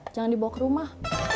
jangan dibawa ke rumah